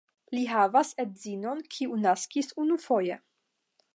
Li havas edzinon kiu naskis unufoje.